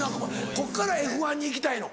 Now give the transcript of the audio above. こっから「Ｆ１」に行きたいの？